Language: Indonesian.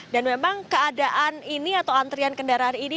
dan memang keadaan ini atau antrean kendaraan ini